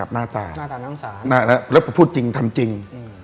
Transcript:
หน้าตานังสารแล้วพูดจริงทำจริง